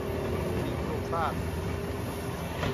สิ่งปลูกสร้าง